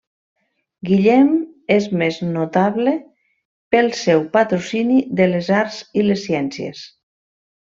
Guillem és més notable pel seu patrocini de les arts i les ciències.